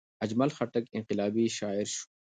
اجمل خټک انقلابي شاعر شو.